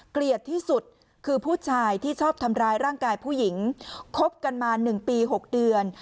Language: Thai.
เกลียดที่สุดคือผู้ชายที่ชอบทำร้ายร่างกายผู้หญิงคบกันมา๑ปี๖เดือน